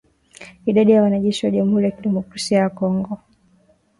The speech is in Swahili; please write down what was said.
Idadi ya wanajeshi wa jamuhuri ya kidemokrasia ya Kongo